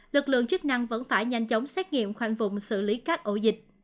lực lượng chức năng vẫn phải nhanh chóng xét nghiệm khoanh vùng xử lý các ổ dịch